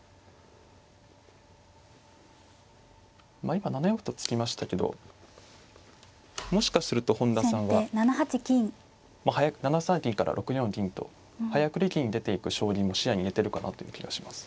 今７四歩と突きましたけどもしかすると本田さんはもう早く７三銀から６四銀と早繰り銀出ていく将棋も視野に入れてるかなという気がします。